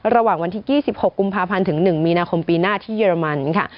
ระหว่างวันที่๒๖กุมภาพันธ์ถึง๑มีนาคมปีหน้าที่เยอรมันค่ะ